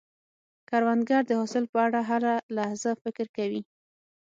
کروندګر د حاصل په اړه هره لحظه فکر کوي